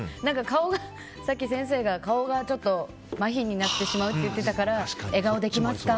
さっき先生が顔がまひになってしまうって言ってたから笑顔できますか？